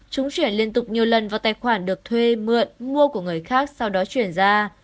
chúng chuyển liên tục nhiều lần vào tài khoản được thuê mượn mua của người khác sau đó chuyển ra